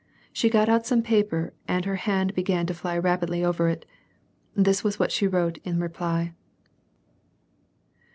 She got out some paper and her hand began to fly rapidly over it. This was what she wrote in reply.